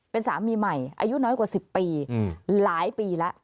เป็นสามีใหม่อายุน้อยกว่า๑๐ปีหลายปีแล้ว